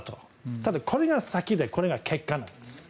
ただ、これが先でこれが結果なんです。